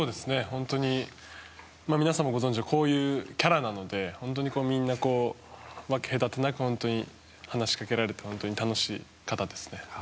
本当に皆さんもご存じのとおりこういうキャラなのでみんな分け隔てなく話しかけられて本当に楽しい方ですね。